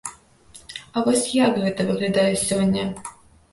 А вось як гэта выглядае сёння?